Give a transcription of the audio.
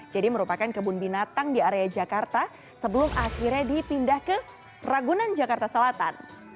jadi merupakan kebun binatang di area jakarta sebelum akhirnya dipindah ke ragunan jakarta selatan